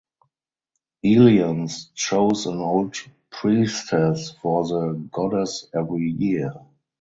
Eleans chose an old priestess for the goddess every year.